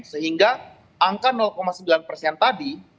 sehingga angka sembilan persen tadi